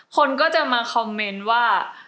คนก็จะมาคอมเมนต์ว่า